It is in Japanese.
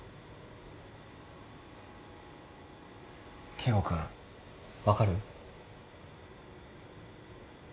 圭吾君分かる？